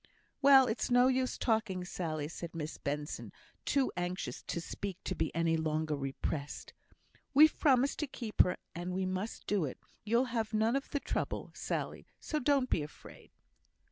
"Well, it's no use talking, Sally," said Miss Benson, too anxious to speak to be any longer repressed. "We've promised to keep her, and we must do it; you'll have none of the trouble, Sally, so don't be afraid."